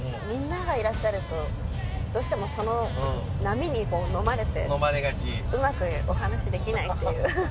みんながいらっしゃるとどうしてもその波にのまれてうまくお話しできないっていう。